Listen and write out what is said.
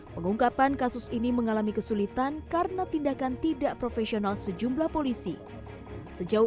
pengungkapan kasus ini mengalami kesulitan karena tindakan tidak profesional sejumlah polisi sejauh